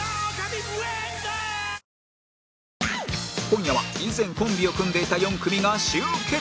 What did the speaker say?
今夜は以前コンビを組んでいた４組が集結